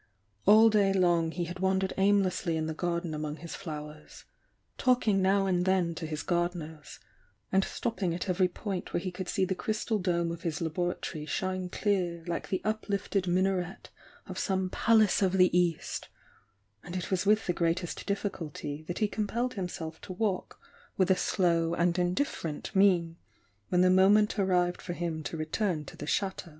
All day long he had wandered aimlessly in the garden among his flowers, talking now and then to his gardeners, and stopping at every point where he could see the crys tal dome of his laboratory shine clear like the up lifted minaret of some palace of the East, and it was with the greatest difficulty that he compelled himself to walk with a slow and indifferent mien when the moment arrived for him to return to the Chateau.